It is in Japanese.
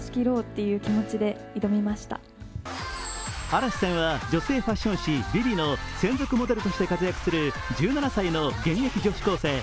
嵐さんは女性ファッション誌「ＶｉＶｉ」の専属モデルとして活躍する１７歳の現役女子高生。